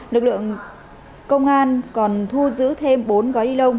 lực lượng công an còn thu giữ thêm bốn gói ni lông